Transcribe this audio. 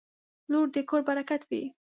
• لور د کور برکت وي.